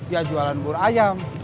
ya jualan bur ayam